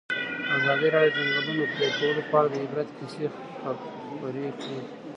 ازادي راډیو د د ځنګلونو پرېکول په اړه د عبرت کیسې خبر کړي.